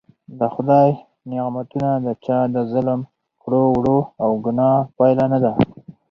د خدای نعمتونه د چا د ظلم کړو وړو او ګناه پایله نده.